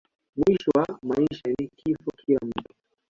mwisho wa maisha ni kifo kila mtu